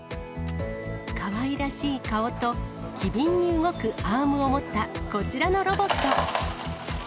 かわいらしい顔と機敏に動くアームを持ったこちらのロボット。